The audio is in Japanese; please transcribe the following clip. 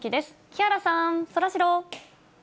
木原さん、そらジロー。